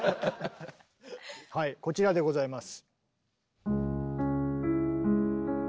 はいこちらでございます。